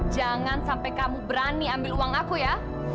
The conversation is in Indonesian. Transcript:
jangan sampai kamu berani ambil uang aku ya